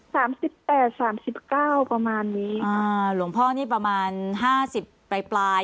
สามสิบแปดสามสิบเก้าประมาณนี้อ่าหลวงพ่อนี่ประมาณห้าสิบปลายปลาย